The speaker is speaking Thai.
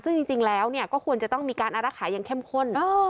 ซึ่งจริงแล้วก็ควรจะต้องมีการอารักษาอย่างเข้มข้น